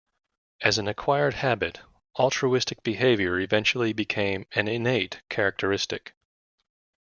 As an acquired habit, altruistic behavior eventually became an innate characteristic.